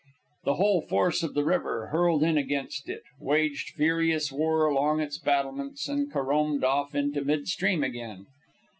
The whole force of the river hurled in against it, waged furious war along its battlements, and caromed off into mid stream again.